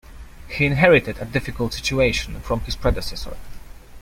He inherited a difficult situation from his predecessor.